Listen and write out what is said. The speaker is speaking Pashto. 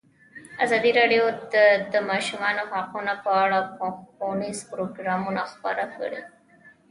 ازادي راډیو د د ماشومانو حقونه په اړه ښوونیز پروګرامونه خپاره کړي.